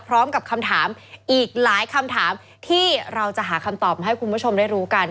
พร้อมกับคำถามอีกหลายคำถามที่เราจะหาคำตอบมาให้คุณผู้ชมได้รู้กัน